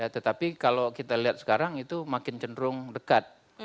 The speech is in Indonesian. tetapi kalau kita lihat sekarang itu makin cenderung dekat